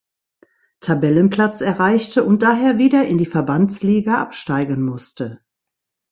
Tabellenplatz erreichte und daher wieder in die Verbandsliga absteigen musste.